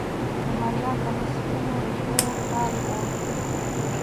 د ماريا کميس سپينو روپيو ټال خوړ.